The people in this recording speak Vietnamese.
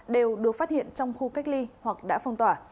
đều được phát hiện trong khu cách ly hoặc đã phong tỏa